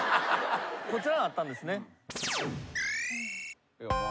こちらになったんですね。